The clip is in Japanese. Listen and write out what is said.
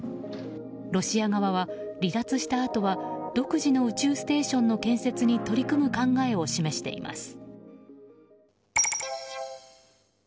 ロシア側は離脱したあとは独自の宇宙ステーションの建設に取り組む考えを示しています。